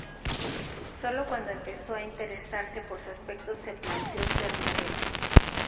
Solo cuando empezó a interesarse por su aspecto se planteó ser modelo.